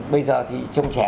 bây giờ thì trông trẻ